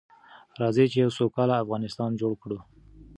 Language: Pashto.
راځئ چې يو سوکاله افغانستان جوړ کړو.